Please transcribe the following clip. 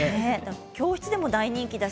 教室でも大人気で。